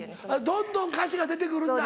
どんどん歌詞が出て来るんだ。